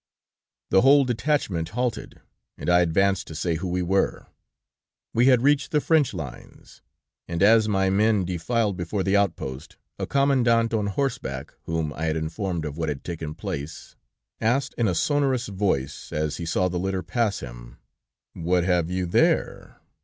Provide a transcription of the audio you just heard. '" "The whole detachment halted, and I advanced to say who we were. We had reached the French lines, and as my men defiled before the outpost, a commandant on horseback, whom I had informed of what had taken place, asked in a sonorous voice, as he saw the litter pass him: 'What have you there?'"